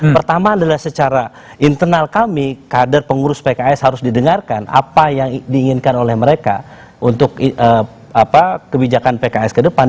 pertama adalah secara internal kami kader pengurus pks harus didengarkan apa yang diinginkan oleh mereka untuk kebijakan pks ke depan